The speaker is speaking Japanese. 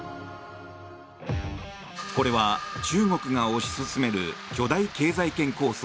これは中国が推し進める巨大経済圏構想